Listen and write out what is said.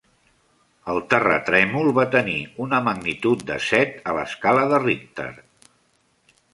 El terratrèmol va tenir una magnitud de set a l'escala Richter.